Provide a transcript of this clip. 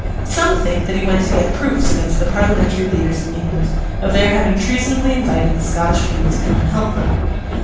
Some think that he went to get proofs against the Parliamentary leaders in England of their having treasonably invited the Scottish people to come and help them.